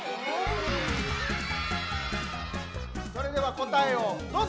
それではこたえをどうぞ！